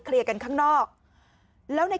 กลุ่มหนึ่งก็คือ